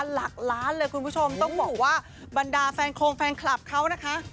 หลักล้านเลยคุณผู้ชมต้องบอกว่าบรรดาแฟนโครงแฟนคลับเขานะคะ